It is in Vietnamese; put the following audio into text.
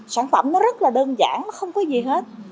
sản phẩm nó rất là đơn giản nó không có gì hết